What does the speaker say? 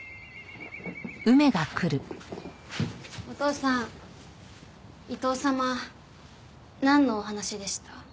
お父さん伊藤様なんのお話でした？